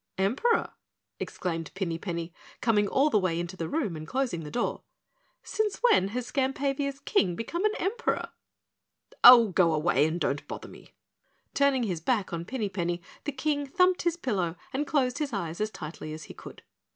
"Emperor?" exclaimed Pinny Penny, coming all the way into the room and closing the door. "Since when has Skampavia's King become an Emperor?" "Oh, go away and don't bother me." Turning his back on Pinny Penny, the King thumped his pillow and closed his eyes as tightly as he could.